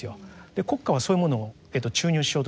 国家はそういうものを注入しようとしますから。